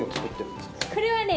これはね